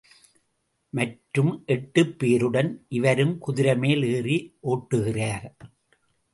மற்றும் எட்டுப் பேருடன் இவரும் குதிரைமேல் ஏறி ஒட்டுகிறார்.